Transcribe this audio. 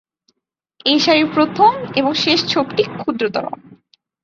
এই সারির প্রথম এবং শেষ ছোপটি ক্ষদ্রতর।